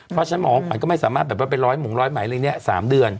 เพราะฉะนั้นหมอของขวัญก็ไม่สามารถแบบว่าเป็นร้อยหงร้อยไหมอะไรเนี่ย๓เดือน